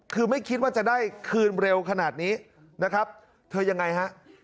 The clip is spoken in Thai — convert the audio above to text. คือไม่คิดว่าจะได้คืนเร็วขนาดนี้นะครับเธอยังไงฮะ